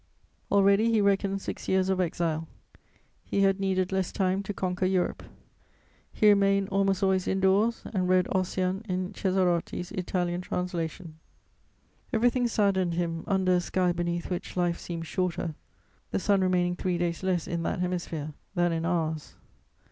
Already he reckoned six years of exile; he had needed less time to conquer Europe. He remained almost always indoors, and read Ossian in Cesarotti's Italian translation. Everything saddened him under a sky beneath which life seemed shorter, the sun remaining three days less in that hemisphere than in ours.